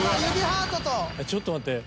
ちょっと待って。